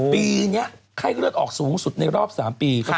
ปีนี้ไข้เลือดออกสูงสุดในรอบ๓ปี